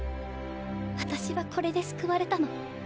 私はこれで救われたの。